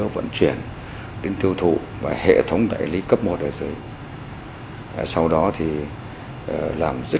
xin chào và hẹn gặp lại